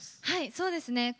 はいそうですね。